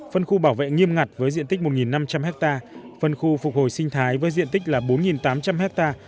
phân khu bảo vệ nghiêm ngặt với diện tích một năm trăm linh ha phân khu phục hồi sinh thái với diện tích là bốn tám trăm linh ha